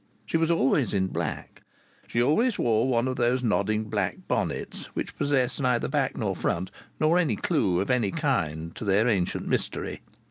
She was always in black. She always wore one of those nodding black bonnets which possess neither back nor front, nor any clue of any kind to their ancient mystery.